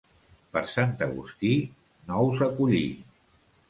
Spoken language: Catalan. Per Sant Agustí, nous a collir.